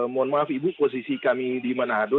mohon maaf ibu posisi kami di manado